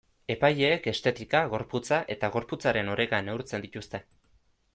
Epaileek estetika, gorputza eta gorputzaren oreka neurtzen dituzte.